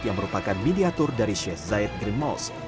yang merupakan miniatur dari syed zayed green mosque yang ada di abu dhabi